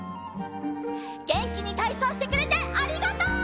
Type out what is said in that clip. げんきにたいそうしてくれてありがとう！